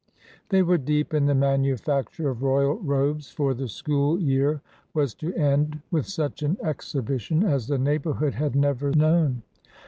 They were deep in the manufacture of royal robes, for the school year was to end with such an exhibition as the neighborhood had never known.